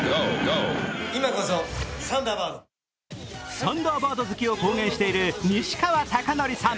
「サンダーバード」好きを公言している西川貴教さん。